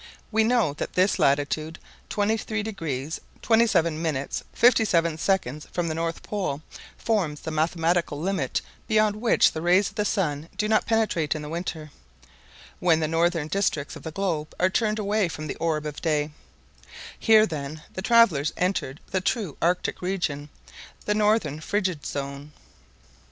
We know that this latitude 23° 27' 57" from the North Pole, forms the mathematical limit beyond which the rays of the sun do not penetrate in the winter, when the northern districts of the globe are turned away from the orb of day. Here, then, the travellers entered the true Arctic region, the northern Frigid Zone.